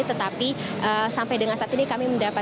tetapi sampai dengan saat ini kami mendapatkan